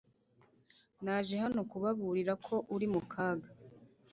Naje hano kubaburira ko uri mu kaga